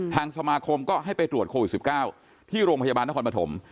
ทางสมาคมก็ให้ไปตรวจโควิด๑๙ที่โรงพยาบาลนครปฐม